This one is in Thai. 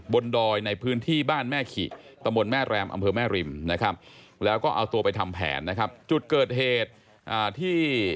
บนดอยในพื้นที่บ้านแม่ขิ